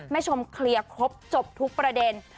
ชมเคลียร์ครบจบทุกประเด็น